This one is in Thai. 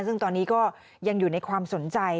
ซึ่งตอนนี้ก็ยังอยู่ในความสนใจ